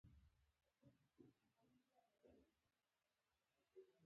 دا سبزی د ویښتانو تویېدو مخنیوی کوي.